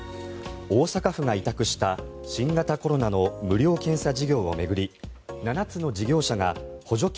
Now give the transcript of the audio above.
大阪府が委託した新型コロナの無料検査事業を巡り７つの事業者が補助金